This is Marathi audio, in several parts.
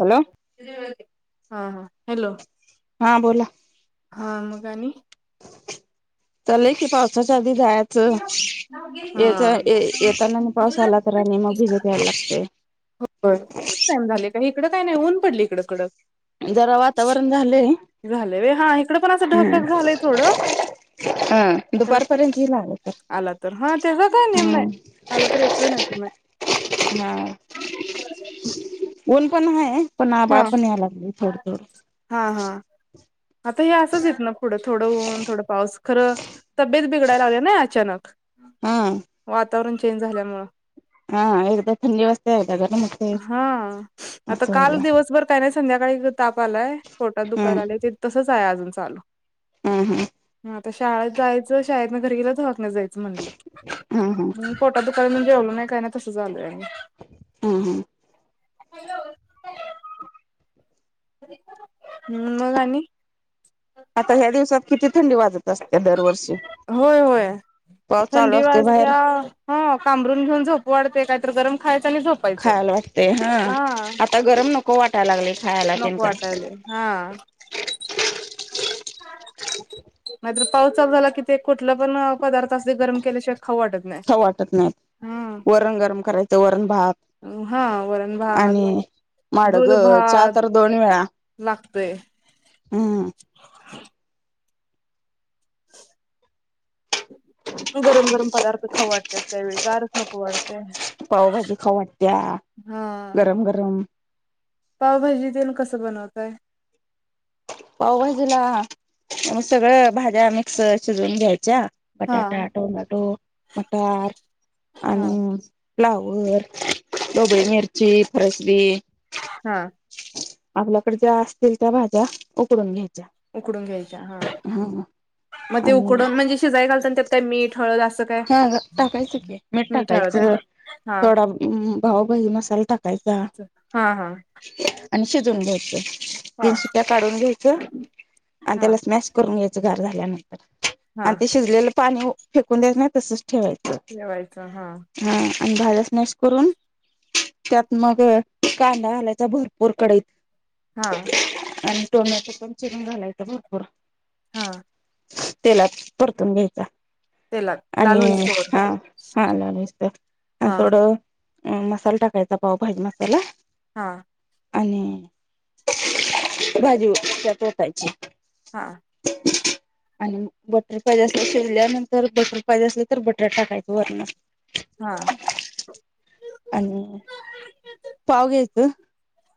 हॅलो हा. हा. हॅलो. हा. बोला. हा. निघाली? चाललेय की. पावसाच्या आधी जात- -ते. हा येचा येताना आणि पाऊस आला तर, आणि मग भिजत यायला लागत. हो. [unintelligible] टाइम झाले का? इकडं काय नाही. ऊन पडली इकडं कडक. जरा वातावरण झालंय झाल व्हय. हा. इकड पण असं ढगढग झालंय थोडं. हा. खरं दुपारपर्यंत येइल आला तर. आला तर. हा. तेचा काय नेम नाही. आला तर येतो नाहीतर नाही. हा. ऊन पण आहे. पण हा आभाळ पण याया लागलय. थोडं थोडं. हा. हा. आता हे असचयेत ना पुढं? थोडं ऊन. थोडं पाऊस. खरं तब्येत बिघडायला लागले ना अचानक? हा वातावरण चेंज झाल्यामुळ. हा. एकदा थंडी वाजते. एकदा गरम होत. हां. आता काल दिवसभर काही नाही. संध्याकाळी ताप आलाय. पोटात दुकाय हम्म लागलं ते- तसंच आहे अजून चालू. हं. हं. म आता शाळेत जायचय. शाळेतन घरी गेल तर [unintelligible] जायचं हम्म हम्म [unintelligible] पोटात दुखायल म्हणून जेवलो नाही काय नाही. तसं झालय म. हम्. हम्म. हॅलो. हम्म. मग आणि? आता ह्या दिवसात किती थंडी वाजल? होय. पाऊस चालू थंडी असतोय बाहेर वाजत्या- हं. पांघरूण घेऊन झोपू वाटतंय. काहीतरी गरम खायचं आणि झोपायचं. खायला वाटते हा. आता गरम नको वाटायला लागलय. खायाला ते पण. गरम हां. ह नाहीतर पाऊस चालू झाला कि, ते कुठला पण पदार्थ अस ते गरम केल्याशिवाय खाऊ वाटत नाही. खाऊ वाटत नाही. हम्म वरण गरम करायचं. वरण भात हा वरण भात आणि- माडग. दूध चा भात तर दोन वेळा. लागतोय. हं. गरम गरम पदार्थ खावडते त्यावेळी गारच नको वाडते. पावभाजी खाऊ वाटत्या गरम गरम. पावभाजी तेन कसं बनवतय. पावभजूला मग सगळं भाज्या मिक्स शिजवून घ्यायच्या. हा बटाटा, टोमटो, मटर, हा आणि फ्लावर, डोबळे मिरची, परसबी, हा. आपल्याकडे ज्या असतील त्या भाज्या उकडून घ्यायच्या. उकडून घ्यायच्या ह हा मग ते आणि उकडून म्हणजे शिजाई घालत त्यात काय मीठ हळद असं काय हा टाकायचं की मीठ टाकायचं. हा थोडा भाऊभही मसाला टाकायचा. हा हा. आणि शिजून घ्यायचं. हा तीन सु्ट्या काढून घ्यायच. आणि हा त्याला स्मॅश करून घ्यायचं गार झाल्यानंतर हा आणि ते शिजलेलं पाणी फेकून द्याय नाही तसच ठेवायचं. ठेवायच हा. हा आणि भाजच मॅच करून त्यात मग कांदा घालायचा भरपूर कढईत, हा आणि टोमॅटो पण चिरून घालायचं भरपूर हा. त्याला परतून घ्यायचा. ते लाग आणि हा हा लालूच तर हा थोडं अ मसाला टाकायचा पाव भाजी मसाला हा. आणि भाजीच्या पोटयची हा. आणि बटर पाहिजे असेल तर शिरल्यानंतर बटर पाहिजे असले तर बटर टाकायचं वरण हा. आणि पाव घ्यायचं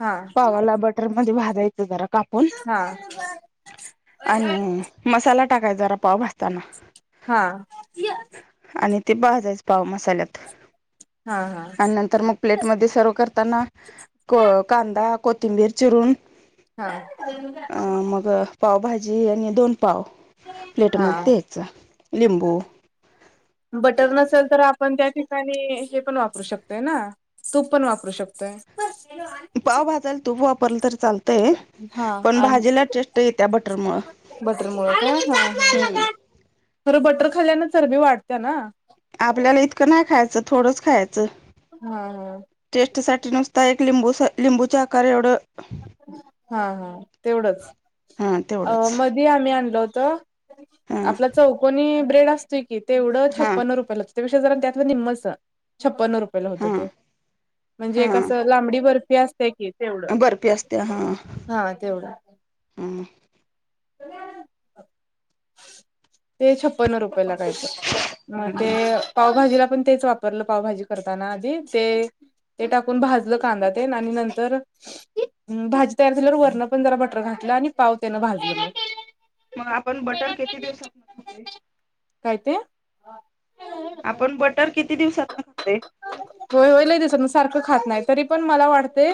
हा पावाला बटर, र मध्ये भाजायचं जरा कापून हा हा आणि मसाला टाकायचचा जरा पाव भासताना. हा. आणि ते भाजायच पाव मसाल्यात हा आणि नंतर मग. प्लेटमध्ये सर्व करताना कांदा कोथिंबीर चिरून हा अं मग पावभाजी आणि दोन पाव हा प्लेटमध्ये द्यायच लिंबू, बटर नसेल तर आपण त्या ठिकाणी हे पण वापरू शकतोय ना. तूप पण वापरू शकतोय. पाव भाजायला तूप वापरलं तर चालतंय हा पण भाजीला टेस्ट येत्या बटरमुळ. बटर मु खरं बटर खाल्ल्यान चरबी वाढत्या ना. आपल्याला इतकं नाही खायचं थोडंच खायचं. हम् हम. टेस्ट साठी नुसता एक लिंबू लिंबूचा आकार एवढं हा हा तेवढच हा अ तेवढंच मधी आम्ही आणल होत. हा आपला चौकोनी ब्रेड असतोय की, तेवढं हा छप्पन्न रुपयाला त्यापेक्षा जरा त्यात निम्मच, छप्पन्न रुपयाला होतं हा ते म्हणजे एक असं हा लांबडी बरं फी असत्या की, तेवढ. बर्फी असत्या हा हा तेवढं हम्म त ते छप्पन्न रुपये ला काय तरी, मग ते ह पावभाजीला पण तेच वापरलं, पावभाजी करताना आधी ते ते टाकून भाजलं कांदा तेन आणि नंतर भाजी तयार झाल्यावर, वरनं पण जरा बटर घातलं आणि पाव त्यानं भाजले मग आपण बटर किती दिवसात काय ते? आपण बटर किती दिवसात खातोय होय होई लय दिवसांत, सारखं खात नाही तरी पण मला वाटते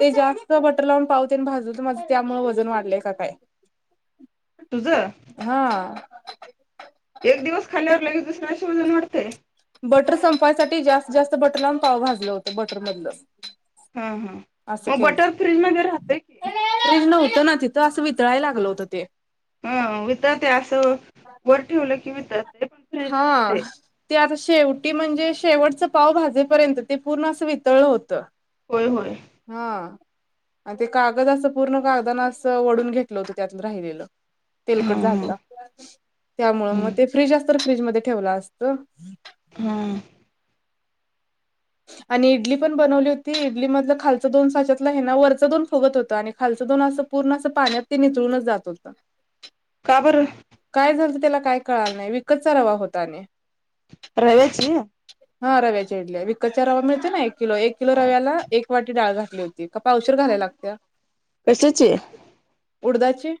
तेत बटर लावून पावते भाजून, तर माझ त्यामुळे वजन वाढलंय का काय तुझं? हा एक दिवस खाल्यावर लगेच दुसऱ्या दिवशी वजन वाढतय. बटर संपायसाठी जास्त जास्त बटर लावून पाव भाजलं होतं, बटर मधलं हा हा मग बटर फ्रीज मध्ये राहतेय की, त नव्हतं ना तिथं असं वितळाला लागलं होतं ते. हा वितळतय, असं वर ठेवलं की वितळतय. पण फ्रीजला हा राहतय ते आता शेवटी म्हणजे शेवटचं पाव भाजेपर्यंत, ते पूर्ण असं वितळल होतं. होय होय हा आणि ते कागद असं पूर्ण कागदाना असं वडुन घेतलं होतं, त्यातून राहिलेलं. तेलकट हा झालता, त्यामुळ हा मग ते फ्रीज असत फ्रीज म ठेवलं असत. हा आणि इडली पण बनवली होती, इडली मधलं खालचं दोन साचातल आहे ना, वरचं दोन फुगत होत आणि खालचं दोन अस पूर्ण असं पाण्यात ते निचळूनच जात होतं. का बर? काय झालंत त्याला काय कळाल नाही, विकतचा रवा होता आणि रव्याची? हा रव्याच्या इडल्या, विकतच्या रवा मिळत ना एक किलो, एक किलो रव्याला एक वाटी डाळ घातली होती. का पावशीर घालाय लागत्या? कशाची उडदाची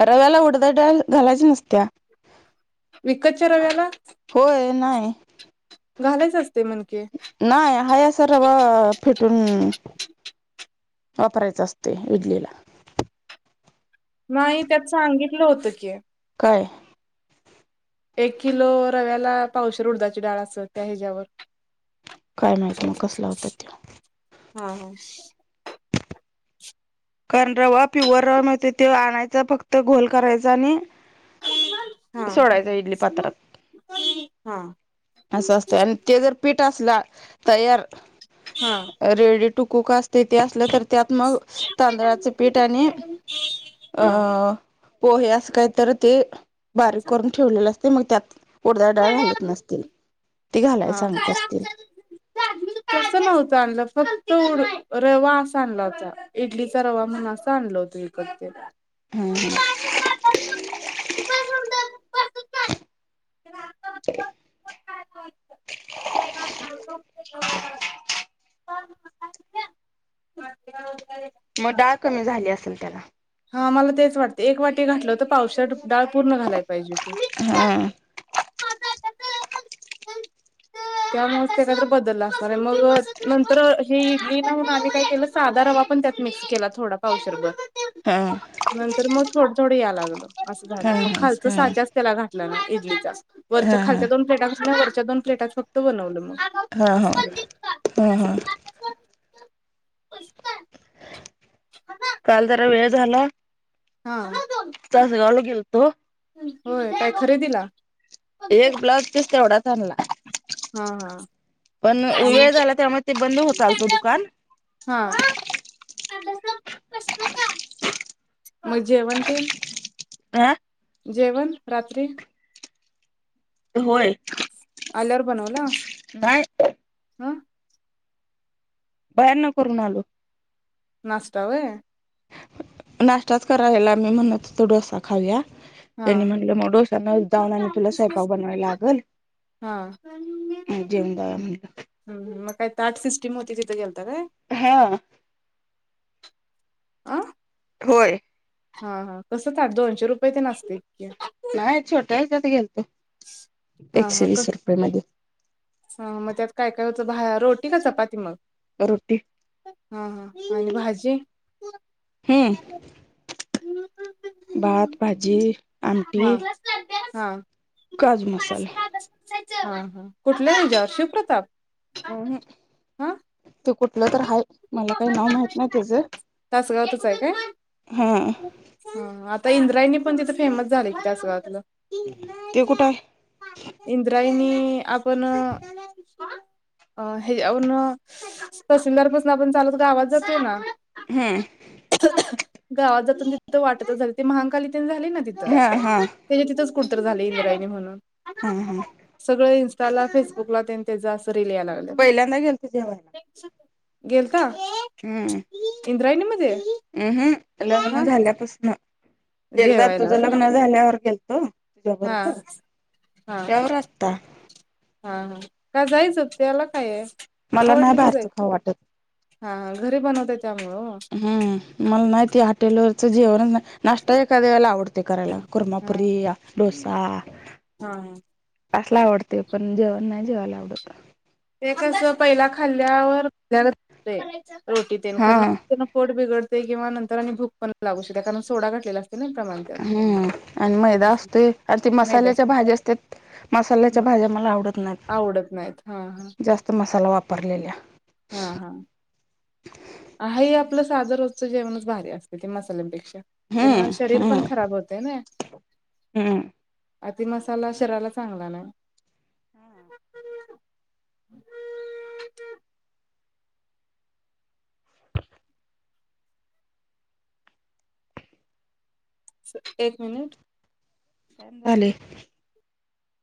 रव्याला उडदाची डाळ घालायची नसत्या. विकतच्या रव्याला? होय नाही घालायच असतय म्हण की, नाही आहे असा रवा फिटून वापरायचं असतोय ईडलीला नाई त्यात सांगितलं होतं की, काय? एक किलो रव्याला पावशेर उडदाची डाळ असेल, त्या ह्याच्यावर काय माहिती मग, कसला होता त्यो. हा, हा. कारण रवा प्युअर रवा मिळत त्यो आणायच फक्त गोल करायचा आणि हा, सोडायचा इडली पात्रात हा असं असतंय आणि ते जर पीठ असला, तयार हा रेडी टू कुक अस तेथे असलं तर त्यात मग, तांदळाचं पीठ आणि हा अं पोहे असं काहीतर ते, बारीक करून ठेवलेले असतय, मग त्यात उडदाची डाळ घालत नसतील. ती घालायला हा. सांगत असतील तसं नव्हतं आणलं, फक्त रवा अस आणला होता. इडलीचा रवा म्हणून असा आणलं होत इकत ते. हम्म, हम. [unintelligible] मग डाळ कमी झाली असेल त्याला. हा मला तेच वाटतय, एक वाटी घातलं तर पावशेर डाळ पूर्ण घालायला पाहिजे होती. हां. त्यामुळं त्येच्यात बदलला असणार हाय, मग नंतर अ, ही इडली येईना म्हणून आम्ही काय केलं साधा रवा पण त्यात मिक्स केला, थोडा पावशरभर. [unintelligible] नंतर मग थोडं -थोडं याय लागलं, असं झालं. हा मग हा खालच हा. साच्याच त्याला घातलं म इडलीचा. हा वरच्या, हा खालच्या दोन प्लेटां वरच्या दोन प्लेटात फक्त बनवलं मग. हाहा, असं केलं हाहा. [unintelligible] काल जरा वेळा झाला. हा. तासगावला गेलतो. होय, काय खरेदीला? एक ब्लाउज पीस तेवढाच आणला. हा हा पण, आणि वेळ झाला त्यामुळ ते बंद होत आलत दुकान. हा, म जेवण तेण? आं जेवण रात्री. होय. आल्यावर बनवल, नाही हं. बाहेरन करून आलो. नास्ता व्हय. नास्ताच करा हेला, मी म्हणत होतो डोसा खाऊया हा त्यांनी म्हटलं म डोसा नाही, जाऊन आणि तुला स्वयपाक बनवाय लागल. हा. मग जेवून जाऊया म्हणलं. हम, मग काय ताट सिस्टीम होती, तिथं गेलता काय? हा. अं. होय. हा, हा कसं ताट? दोनशे रुपये तेन असतंय की. नाही, छोट्या हच्यात गेलतो, हा एकशे हा वीस रुपये मध्ये. हा, मग त्यात काय, काय होतं, बा रोटी का चपाती मग? रोटी. हा, हा आणि भाजी? हं. भात, भाजी, आमटी. हा हा, काजू मसाला [unintelligible] कुठल्या हेच्यावर शिवप्रताप? अहं, हा ते कुठलं तर आहे, मला काही नाव माहित नाही त्येचं. होय काय? आता इंद्रायणी पण तिथे फेमस झाले, [unintelligible] ते कुठे आहे? इंद्रायनी.. आपण अ हे- तहसिलदार पासून आपण चालत गावात जातोय ना- हं. गावात जातन तिथं वाटतच झाले, ते महाकाली तेन झाली ना तिथ- ह, हं. त्याच्या तिथंच कुठतर झाले इंद्रायणी म्हणून, हा हा सगळे- त्याला फेसबुकला तेन त्याचा असं रील याय लागलय. पहिल्यांदा गेलतो जेवायला. गेलता? हम, इंद्रायणीमध्ये ह, ह, लग्न हा झाल्यापासन. एकदा जेवायला तुझं होय लग्न झाल्यावर गेलतो तुझ्या हा बरोबर, हा त्यावर आता. हा, हा, का जायचं तेला काय आहे. मला खाऊ नाही वाटलं की, जाय- बाहेरचं खाऊ वाटत हा, घरी बनवताय त्यामुळं ओ. हम्म. मला नाही ती हॉटेलवरचं जेवण, नाष्टता एखाद्या वेळेला आवडते करायला, हा कुरमापुरी या- डोसा- हा. असला आवडतेशय, पण जेवण नाही जेवायला आवडत. ते कस पहिला खाल्ल्यावर [unintelligible] रोटी तेन खर- हा पोट बिघडतय किंवा नंतर आणि भूक पण लागू शकते. कारण, सोडा घाटलेला अस- हम्म आणि मैदा असं असतोय, आणि ते मैदाच मसाल्याच्या भाज्या असत्यात- मसाल्याच्या भाज्या मला आवडत नाही. आवडत नाहीत. हा, हा. जास्त मसाला वापरलेल्या. हा, हा. हाय हे आपलं साधं रोजचं जेवणच भारी असतय, ते मसाल्यांपेक्षा. ते ना हम्म शरीर पण हम्म खराब होतय नाही. हम्म. अति मसाला शरीराला चांगला नाही. [inaudible] सर एक मिनिट? [unintelligible] झाले